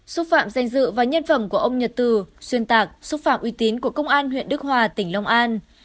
xúc phạm danh dự và nhân phẩm của ông nhật từ xuyên tạc xúc phạm uy tín của công an huyện đức hòa tỉnh long an